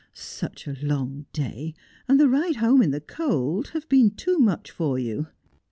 Such a long day, and the ride home in the cold, have been too much for you.'